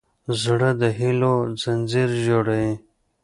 زړه د هيلو ځنځیر جوړوي.